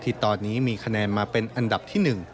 ที่ตอนนี้มีคะแนนมาเป็นอันดับที่๑